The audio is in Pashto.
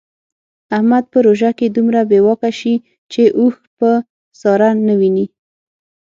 احمد په روژه کې دومره بې واکه شي چې اوښ په ساره نه ویني.